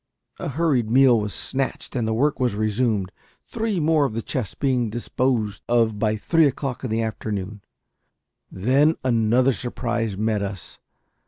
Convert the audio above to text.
A hurried meal was snatched, and the work was resumed, three more of the chests being disposed of by three o'clock in the afternoon. Then another surprise met us.